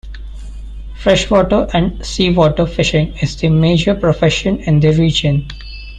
Freshwater and seawater fishing is the major profession in the region.